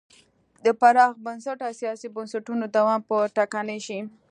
د پراخ بنسټه سیاسي بنسټونو دوام به ټکنی شي.